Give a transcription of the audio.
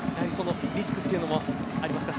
リスクというのもありますか？